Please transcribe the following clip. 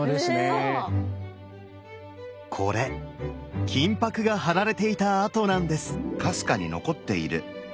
これ金箔が貼られていた跡なんです。